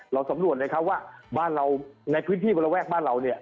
เราสำรวจเลยครับว่าในพื้นที่บริแวกบ้านเรา